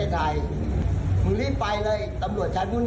ใหญ่จัง